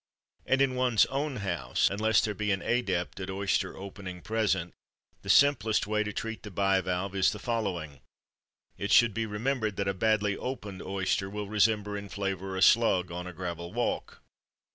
And in one's own house, unless there be an adept at oyster opening present, the simplest way to treat the bivalve is the following. It should be remembered that a badly opened oyster will resemble in flavour a slug on a gravel walk.